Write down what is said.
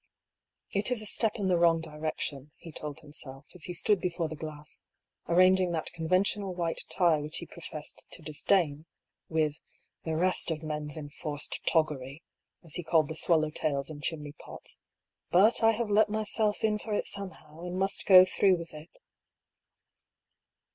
" It is a step in the wrong direction," he told him self, as he stood before the glass, arranging that con ventional white tie which he professed to disdain, with " the rest of men's enforced toggery," as he called the swallowtails and chimneypots, '^but I have let myself in for it somehow, and must go through with it."